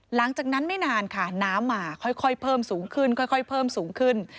หลังจากนั้นไม่นานค่ะน้ำมาค่อยเพิ่มสูงขึ้นค่อยเพิ่มสูงขึ้น